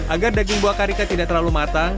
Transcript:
agar daging buah karika tidak terlalu matang